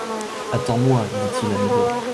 Attends-moi, dit-il à Médor.